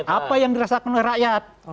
apa yang dirasakan oleh rakyat